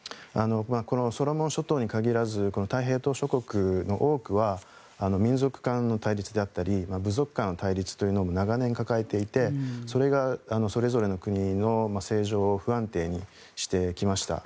ソロモン諸島に限らず太平洋島しょ国の多くは民族間の対立だったり部族間の対立も長年、抱えていてそれがそれぞれの国の政情を不安定にしてきました。